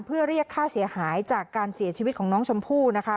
เพื่อเรียกค่าเสียหายจากการเสียชีวิตของน้องชมพู่นะคะ